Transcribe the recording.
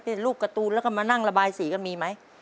รูปการ์ตูนแล้วก็มานั่งระบายสีกันมีไหม